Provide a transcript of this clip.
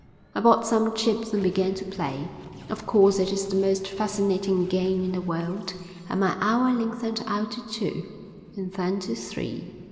I bought some chips and began to play. Of course it is the most fascinating game in the world and my hour lengthened out to two, and then to three.